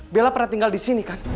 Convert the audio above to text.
bella pernah tinggal di sini kan